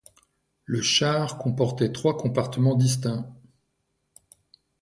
Le char comportait trois compartiments distincts.